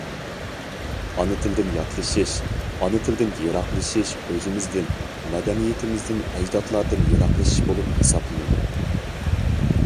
ئانا تىلدىن ياتلىشىش، ئانا تىلدىن يىراقلىشىش ئۆزىمىزدىن، مەدەنىيىتىمىزدىن، ئەجدادلاردىن يىراقلىشىش بولۇپ ھېسابلىنىدۇ.